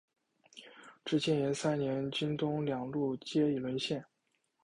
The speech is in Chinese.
至建炎三年京东两路皆已沦陷。